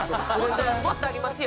もっとありますよ。